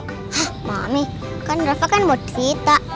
hah mami kan rafa kan mau cerita